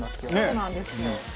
そうなんですよ。